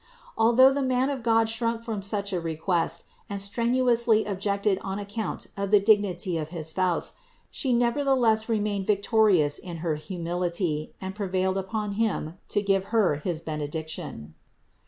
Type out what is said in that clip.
Although the man of God shrunk from such a request and strenuously ob jected on account of the dignity of his Spouse, She never theless remained victorious in her humility and prevailed upon him to give Her his benediction.